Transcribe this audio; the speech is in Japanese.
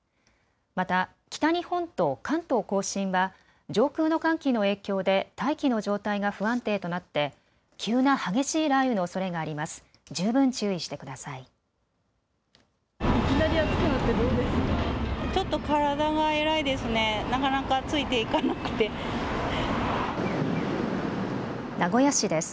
また北日本と関東甲信は上空の寒気の影響で大気の状態が不安定となって急な激しい雷雨のおそれがあります。